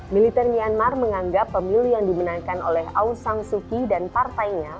militer myanmar menganggap pemilihan dimenangkan oleh aung san suu kyi dan partainya